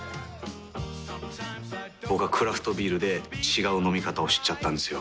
僕はクラフトビールで違う飲み方を知っちゃったんですよ。